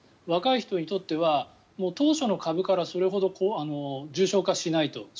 若い人にとっては当初の株からそれほど重症化しないと。